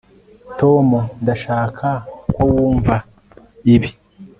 tom, ndashaka ko wumva ibi